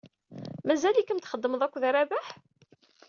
Mazal-ikem txeddmeḍ akked Rabaḥ?